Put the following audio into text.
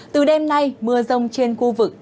từ đêm nay mưa rông trên khu vực